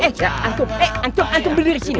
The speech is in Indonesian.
eh antum antum berdiri sini